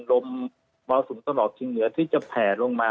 ลมมรสุมตลอดชิงเหนือที่จะแผ่ลงมา